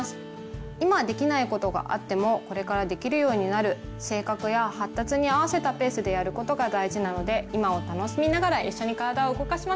今できないことがあってもこれからできるようになる性格や発達に合わせたペースでやることが大事なので今を楽しみながらいっしょに体を動かしましょう！